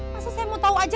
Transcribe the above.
masa saya mau tahu aja